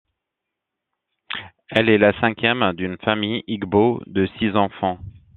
Elle est la cinquième d'une famille igbo de six enfants.